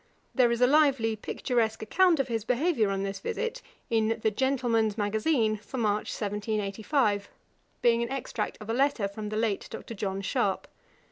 There is a lively picturesque account of his behaviour on this visit, in The Gentleman's Magazine for March 1785, being an extract of a letter from the late Dr. John Sharp.